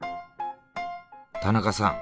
田中さん